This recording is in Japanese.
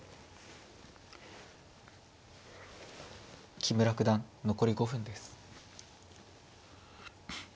木村九段残り５分です。